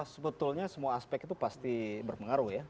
sebetulnya semua aspek itu pasti berpengaruh ya